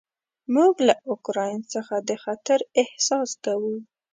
موږ له اوکراین څخه د خطر احساس کوو.